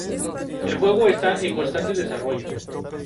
El juego esta en constante desarrollo.